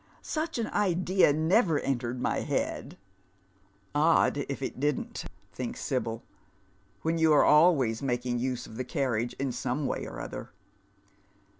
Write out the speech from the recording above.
Such an idea never entered my head." "Odd if it didn't," tliinks Sibyl, "when you are always makiog use of the carriage in some way or otlier."